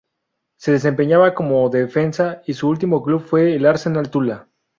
Se desempeñaba como defensa y su último club fue el Arsenal Tula.